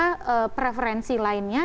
bicara preferensi lainnya